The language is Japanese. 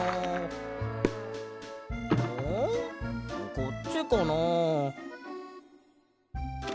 こっちかな？